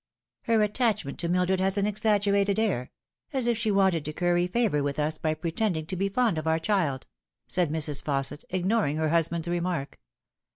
Her attachment to Mildred has an exaggerated air as if she wanted to curry favour with us by pretending to be fond of our child," said Mrs. Fausset, ignoring her husband's remark.